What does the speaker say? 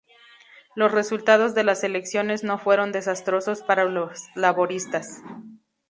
Los resultados de las elecciones no fueron desastrosos para los laboristas.